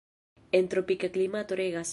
En tropika klimato regas.